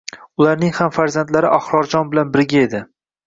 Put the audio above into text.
Ularning ham farzandlari Ahrorjon bilan birga edi